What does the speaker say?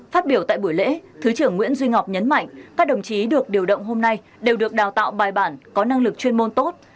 phát biểu tại buổi lễ thứ trưởng nguyễn duy ngọc nhấn mạnh các đồng chí được điều động hôm nay đều được đào tạo bài bản có năng lực chuyên môn tốt